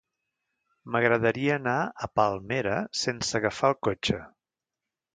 M'agradaria anar a Palmera sense agafar el cotxe.